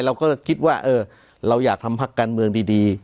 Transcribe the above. เราก็คิดว่าเราอยากทำพักการเมืองดี